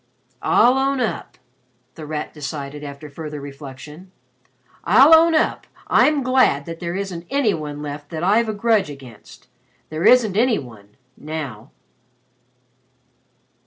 "I'll own up," The Rat decided after further reflection "I'll own up I'm glad that there isn't any one left that I've a grudge against. There isn't any one now."